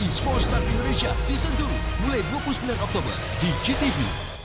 esports star indonesia season dua mulai dua puluh sembilan oktober di gtv